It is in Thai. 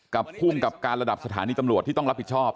ภูมิกับการระดับสถานีตำรวจที่ต้องรับผิดชอบ